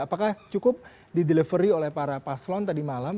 apakah cukup didelivery oleh para paslon tadi malam